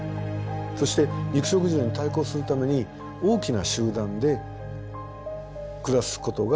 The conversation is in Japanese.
そして肉食獣に対抗するために大きな集団で暮らすことが必要になったんですね。